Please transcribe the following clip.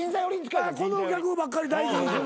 このお客ばっかり大事にする。